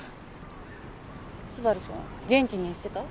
昴くん元気にしてた？